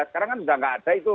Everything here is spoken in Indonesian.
sekarang kan sudah tidak ada itu